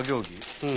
うん。